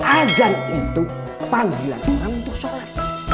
azan itu panggilan orang untuk sholat